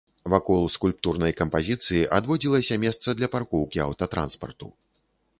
Вакол скульптурнай кампазіцыі адводзілася месца для паркоўкі аўтатранспарту.